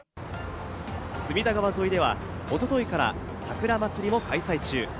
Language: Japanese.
隅田川沿いでは一昨日から「さくらまつり」も開催中。